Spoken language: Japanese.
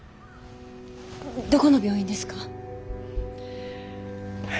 どこの病院ですか？